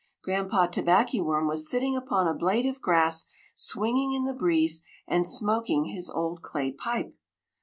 Granpa Tobackyworm was sitting upon a blade of grass, swinging in the breeze and smoking his old clay pipe.